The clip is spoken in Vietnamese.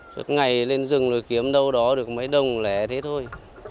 suốt ngày lên rừng rồi kiếm đâu đó được mấy đồng lẻ thế thôi